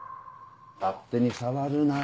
勝手に触るな。